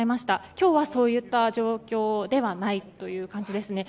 今日は、そういった状況ではないという感じですね。